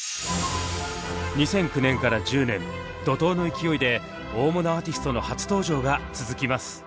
２００９年から１０年怒とうの勢いで大物アーティストの初登場が続きます。